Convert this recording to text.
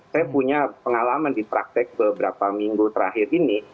saya punya pengalaman di praktek beberapa minggu terakhir ini